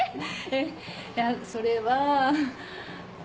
えっいやそれは。